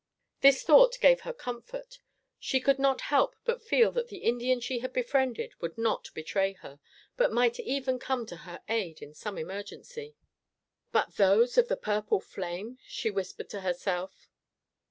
This thought gave her comfort. She could not help but feel that the Indian she had befriended would not betray her, but might even come to her aid in some emergency. "But those of the purple flame?" she whispered to herself.